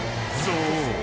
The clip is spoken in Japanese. ［そう。